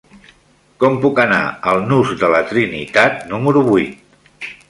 Com puc anar al nus de la Trinitat número vuit?